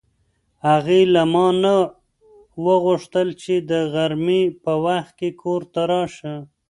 هغې له ما نه وغوښتل چې د غرمې په وخت کې کور ته راشه.